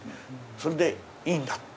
それでいいんだって。